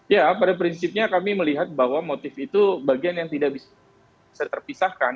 ya pada prinsipnya kami melihat bahwa motif itu bagian yang tidak bisa terpisahkan